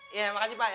iya makasih pak ya